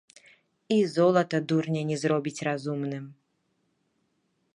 І золата дурня не зробіць разумным.